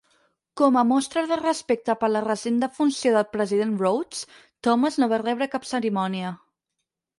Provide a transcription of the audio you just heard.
Com a mostra de respecte per la recent defunció del president Rhoads, Thomas no va rebre cap cerimònia.